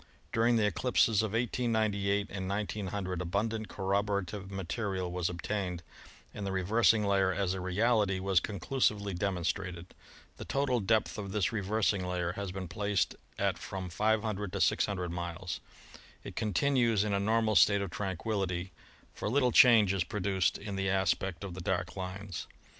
During the eclipses of 1898 and 1900 abundant corroborative material was ob tained, and the reversing layer'as a reality was conclusively demonstrated. The total depth of this reversing layer has been placed at from 500 to 600 miles. It continues in a normal state of tranquillity, for little change is produced in the aspect of the dark lines.